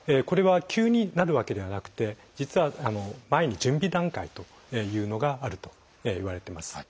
これは急になるわけではなくて実は前に準備段階というのがあるといわれています。